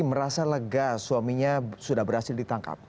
dan lega suaminya sudah berhasil ditangkap